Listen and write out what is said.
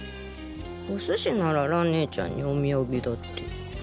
お寿司なら蘭ねえちゃんにお土産だって。